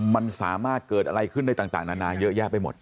มันสามารถเกิดอะไรขึ้นได้ต่างนานาเยอะแยะไปหมด